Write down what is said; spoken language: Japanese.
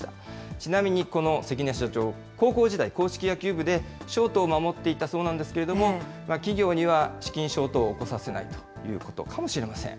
ちなみにこの関根社長、高校時代、硬式野球部でショートを守っていたそうなんですけれども、企業には資金ショートを起こさせないということかもしれません。